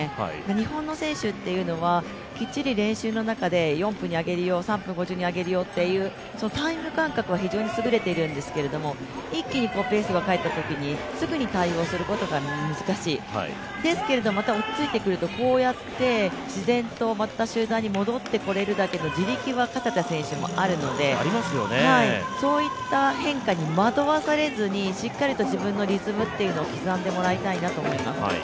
日本の選手というのは、きっちり練習の中で４分に上げるよ３分５０に上げるよっていうタイム間隔は非常に優れているんですけど、一気にペースが変わったときにすぐに対応することが難しい、ですけれども、落ち着いてくるとまた自然と集団の中に戻ってくるという自力は加世田選手もあるのでそういった変化に惑わされずにしっかりと自分のリズムを刻んでもらいたいなと思います。